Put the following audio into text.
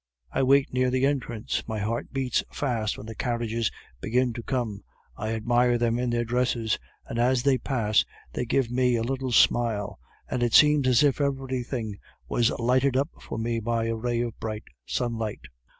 I wait near the entrance; my heart beats fast when the carriages begin to come; I admire them in their dresses, and as they pass they give me a little smile, and it seems as if everything was lighted up for me by a ray of bright sunlight.